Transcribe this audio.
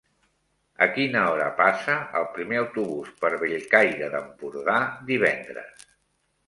A quina hora passa el primer autobús per Bellcaire d'Empordà divendres?